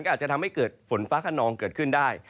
อาจจะทำให้เกิดฝนฟ้าขนองเกิดขึ้นได้